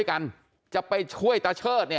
กลับไปลองกลับ